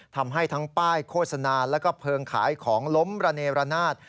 ทำให้ทั้งป้ายโฆษณาแล้วก็เพลิงขายของล้มระเนรนาศ